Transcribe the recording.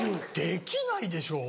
できないでしょ。